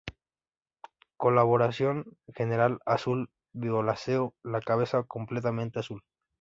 Coloración general azul violáceo, la cabeza completamente azul.